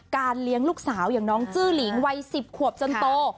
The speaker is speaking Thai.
เลี้ยงลูกสาวอย่างน้องจื้อหลิงวัย๑๐ขวบจนโต